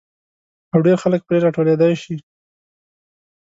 او ډېر خلک پرې را ټولېدای شي.